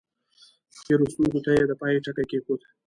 تېرو ستونزو ته یې د پای ټکی کېښود.